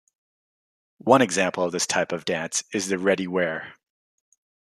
One example of this type of dance is the "Rediwaire".